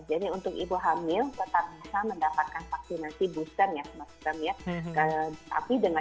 jadi untuk ibu hamil tetap bisa mendapatkan vaksinasi booster ya semesternya